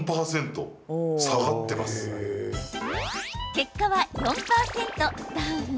結果は、４％ダウン。